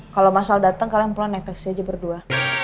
kalau masalah datang kalian pulang naik taxi aja berdua